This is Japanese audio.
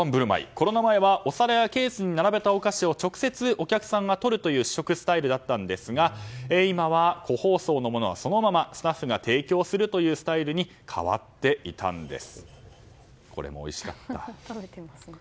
コロナ前はお皿やケースに並べたお菓子を直接お客さんがとるという試食スタイルだったんですが今は個包装のものはそのままスタッフが提供するというスタイルに変わっていたんです。